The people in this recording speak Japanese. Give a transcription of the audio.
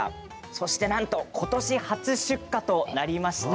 そして、なんと今年、初出荷となりました。